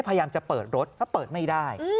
พยายามจะเปิดรถแล้วเปิดไม่ได้